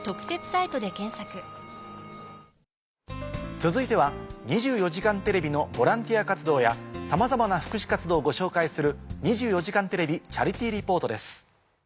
続いては『２４時間テレビ』のボランティア活動やさまざまな福祉活動をご紹介する。